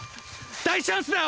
大チャンスだよ！